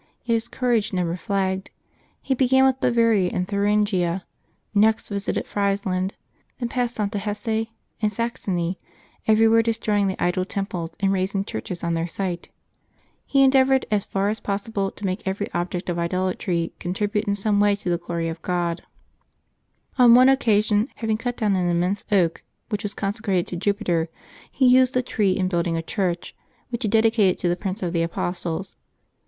Yet his courage never flagged. He began with Bavaria and Thuringia, next visited Friesland, then passed on to Hesse and Saxony, everywhere destroying the idol temples and raising churches on their site. He endeavored, as far as possible, to make every object of idolatry contribute in some way to the glory of God; on one occasion, having cut down on im mense oak which was consecrated to Jupiter, he used the tree in building a church, which he dedicated to the Prince of the Apostles.